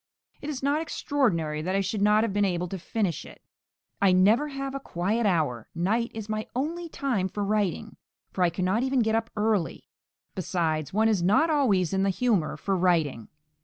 It is not extraordinary that I should not have been able to finish it. I never have a quiet hour; night is my only time for writing, for I cannot even get up early. Besides, one is not always in the humour for writing.